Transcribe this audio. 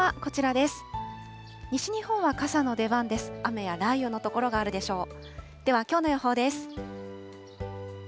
ではきょうの予報です。